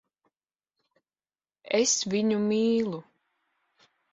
Es viņu mīlu.